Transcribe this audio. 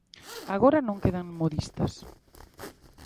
Agora non quedan modistas.